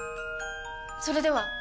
それでは！